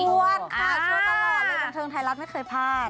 ชวนตลอดเลยบันเทิงไทยรัฐไม่เคยพลาด